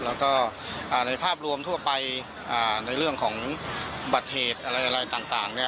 แล้วก็อ่าในภาพรวมทั่วไปอ่าในเรื่องของบัตรเหตุอะไรอะไรต่างต่างเนี่ย